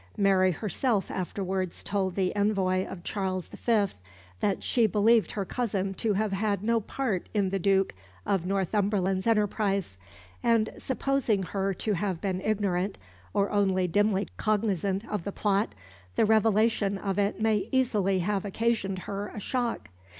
Mary herself afterwards told the envoy of Charles V. that she believed her cousin to have had no part in the Duke of Northumberland's enterprise; and, supposing her to have been ignorant, or only dimly cognisant, of the plot, the revelation of it may easily have occasioned her a shock.